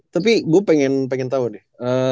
tapi gua pengen tau deh